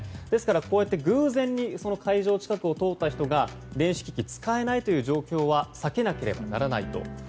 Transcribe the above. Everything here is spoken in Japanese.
ですから偶然に会場近くを通った人が電子機器使えないという状況は避けなければならないと。